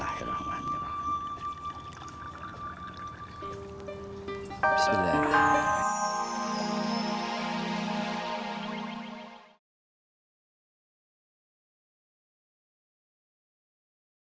aku empat kali betul bapak ini